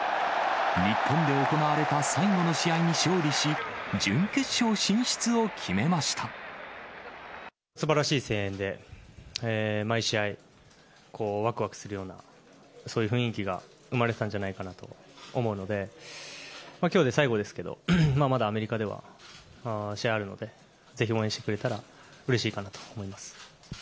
日本で行われた最後の試合に勝利し、すばらしい声援で、毎試合、わくわくするような、そういう雰囲気が生まれてたんじゃないかなと思うので、きょうで最後ですけど、まだアメリカでは試合あるので、ぜひ応援してくれたらうれしいかなと思います。